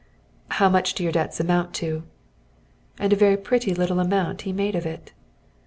"How much do your debts amount to?" And a very pretty little amount he made of it.